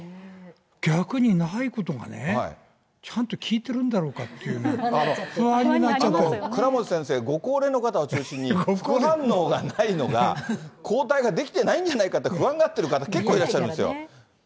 逆にないことがね、ちゃんと聞いてるんだろうかっていうね、不安倉持先生、ご高齢の方を中心に、副反応がないのが、抗体が出来てないんじゃないかと、不安がってる方、結構いらっしゃるんですよ。